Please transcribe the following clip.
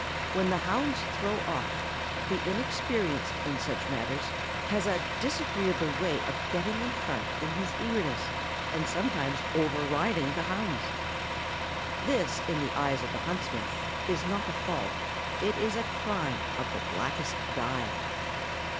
When the hounds throw off, the inexperienced in such matters has a disagreeable way of getting in front in his eagerness, and sometimes overriding the hounds. [Sidenote: "A crime of the blackest dye."] This, in the eyes of the huntsman, is not a fault; it is a crime of the blackest dye.